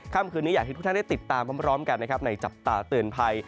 ค่ำคืนนี้อยากที่ทุกท่านได้ติดตามพร้อมกันในจับตาเตือนภัย